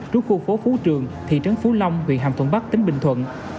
trú khu phố phú trường thị trấn phú long huyện hàm thuận bắc tỉnh bình thuận